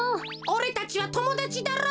おれたちはともだちだろ！